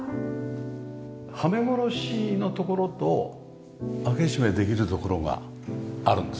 はめ殺しの所と開け閉めできる所があるんですね？